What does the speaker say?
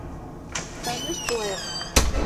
Таныш булайыҡ!